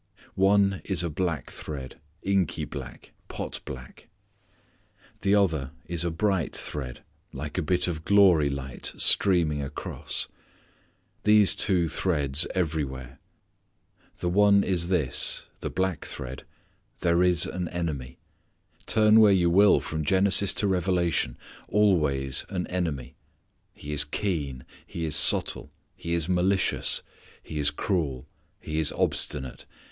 One is a black thread, inky black, pot black. The other is a bright thread, like a bit of glory light streaming across. These two threads everywhere. The one is this the black thread there is an enemy. Turn where you will from Genesis to Revelation always an enemy. He is keen. He is subtle. He is malicious. He is cruel. He is obstinate.